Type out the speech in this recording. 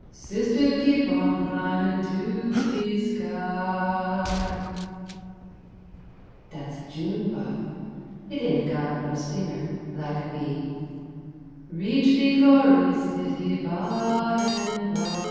(Sister keep on climbin' to de sky ) Dat's a June bug it aint got no stinger, lak a bee (Reach de glory city by an by.)